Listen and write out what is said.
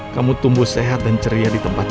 kamu tumbuh sehat dan ceria di tempat